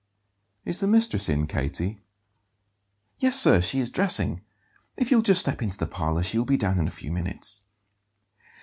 "Is the mistress in, Katie?" "Yes, sir; she is dressing. If you'll just step into the parlour she will be down in a few minutes."